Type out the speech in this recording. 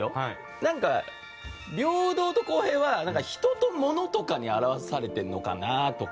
なんか平等と公平は人と物とかに表されてるのかな？とか。